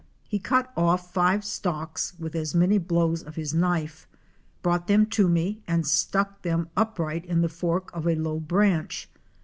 He cut off five stalks with as many blows of his knife, brought them to me and stuck them upright in the fork of a low branch.